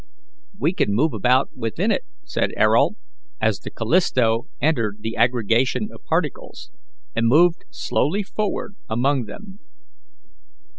"We can move about within it," said Ayrault, as the Callisto entered the aggregation of particles, and moved slowly forward among them.